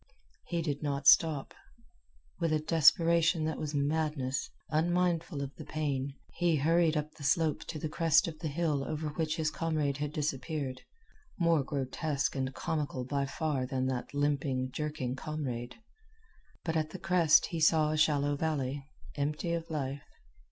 He did not stop. With a desperation that was madness, unmindful of the pain, he hurried up the slope to the crest of the hill over which his comrade had disappeared more grotesque and comical by far than that limping, jerking comrade. But at the crest he saw a shallow valley, empty of life.